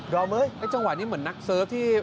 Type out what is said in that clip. ดำเมื่อ่ยไอ้จังหวานนี่เหมือนนักเซิร์ฟที่